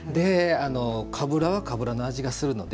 かぶらはかぶらの味がするので。